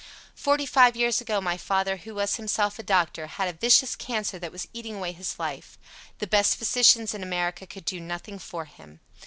Forty five years ago my father, who was himself a doctor, had a vicious cancer that was eating away his life. The best physicians in America could do nothing for him.